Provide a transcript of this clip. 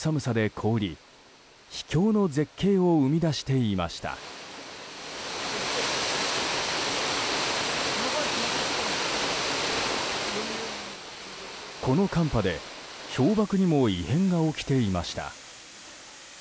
この寒波で氷瀑にも異変が起きていました。